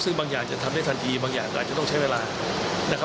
ซึ่งบางอย่างจะทำได้ทันทีบางอย่างก็อาจจะต้องใช้เวลานะครับ